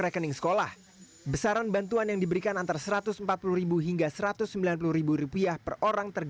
rekening sekolah besaran bantuan yang diberikan antara satu ratus empat puluh hingga satu ratus sembilan puluh rupiah per orang